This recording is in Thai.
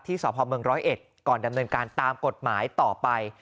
ที่สอบฮอล์เมือง๑๐๑ก่อนดำเนินการตามกฎหมายต่อไป